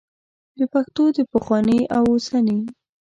د پښتو د پخواني او اوسني